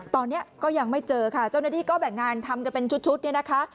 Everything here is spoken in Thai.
ตอนนี้ก็ยังไม่เจอค่ะเจ้าหน้าที่ก็แบ่งงานทำกันเป็นชุดเนี่ยนะคะ